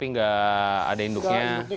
ini buat anaknya bang